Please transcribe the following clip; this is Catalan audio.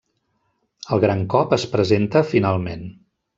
El gran cop es presenta finalment.